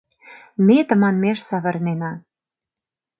Ме тыманмеш савырнена!